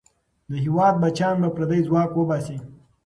د هېواد بچیان به پردی ځواک وباسي.